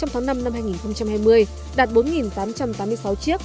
trong tháng năm năm hai nghìn hai mươi đạt bốn tám trăm tám mươi sáu chiếc